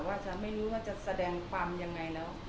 ฉันไม่รู้ว่าจะแสดงความยังไงแล้ว